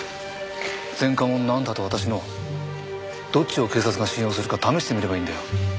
前科者のあんたと私のどっちを警察が信用するか試してみればいいんだよ。